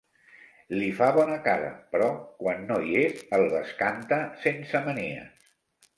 Li fa bona cara, però quan no hi és el bescanta sense manies.